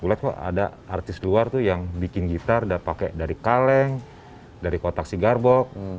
gue liat kok ada artis luar yang bikin gitar dari kaleng dari kotak si garbok